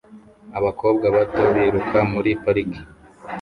Abakobwa bato biruka muri parike